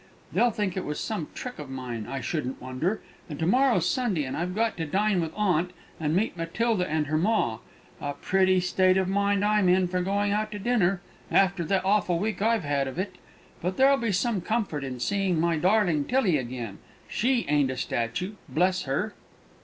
They'll think it was some trick of mine, I shouldn't wonder.... And to morrow's Sunday, and I've got to dine with aunt, and meet Matilda and her ma. A pretty state of mind I'm in for going out to dinner, after the awful week I've had of it! But there'll be some comfort in seeing my darling Tillie again; she ain't a statue, bless her!"